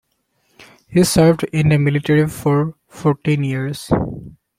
He served in the military for fourteen years.